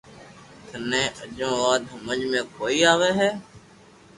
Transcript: ٿني اجھو وات ھمج ۾ ڪوئي آوي ھي